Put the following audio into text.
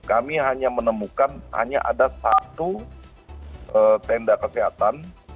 kami hanya menemukan hanya ada satu tenda kesehatan